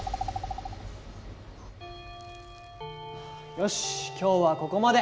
よし今日はここまで。